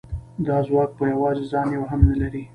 دا ځواک په یوازې ځان یو هم نه لري